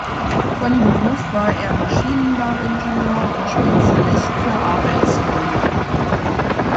Von Beruf war er Maschinenbauingenieur und Spezialist für Arbeitsnormen.